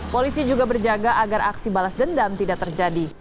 polisi juga berjaga agar aksi balas dendam tidak terjadi